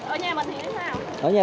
ở nhà bỏ chạy hết à